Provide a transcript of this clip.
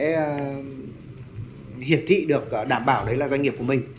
các doanh nghiệp sẽ hiệp thị được đảm bảo đấy là doanh nghiệp của mình